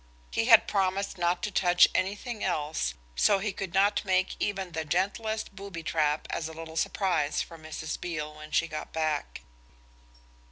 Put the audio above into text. He had promised not to touch anything else, so he could not make even the gentlest booby trap as a little surprise for Mrs. Beale when she got back.